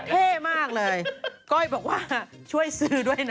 เท่มากเลยก้อยบอกว่าช่วยซื้อด้วยนะ